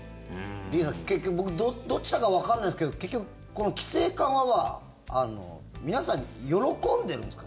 リさん、結局、僕どっちだかわからないんですけど結局、この規制緩和は皆さん、喜んでるんですか？